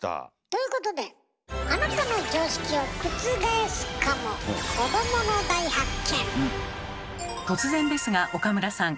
ということで突然ですが岡村さん。